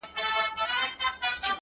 چي له سترگو څخه اوښكي راسي”